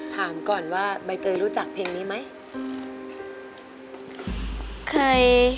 ถามก่อนว่าใบเตยรู้จักเพลงนี้ไหม